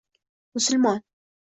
Musulmon.